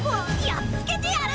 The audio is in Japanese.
やっつけてやる！